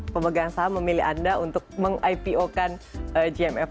pemegang saham memilih anda untuk meng ipo kan gmf